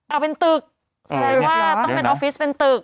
เอาเป็นตึกแสดงว่าต้องเป็นออฟฟิศเป็นตึก